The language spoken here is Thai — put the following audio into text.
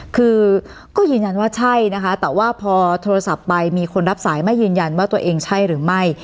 คือก็ยืนยันว่าใช่นะคะแต่ว่าพอโทรศัพท์ไปมีคนรับสายไม่ยืนยันว่าตัวเองใช่หรือไม่